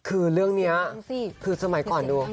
คือเรื่องนี้คือสมัยก่อนดู